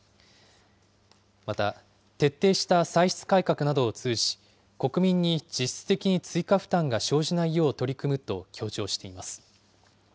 また、徹底した歳出改革などを通じ、国民に実質的に追加負担が生じないよう取り組むと強調しています。